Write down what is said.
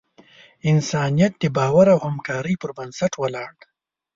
انسانیت د باور او همکارۍ پر بنسټ ولاړ دی.